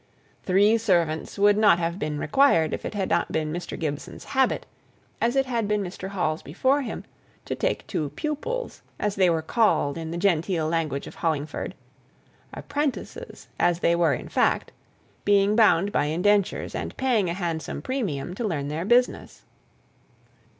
Three servants would not have been required if it had not been Mr. Gibson's habit, as it had been Mr. Hall's before him, to take two "pupils" as they were called in the genteel language of Hollingford, "apprentices" as they were in fact being bound by indentures, and paying a handsome premium to learn their business.